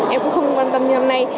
em cũng không quan tâm như năm nay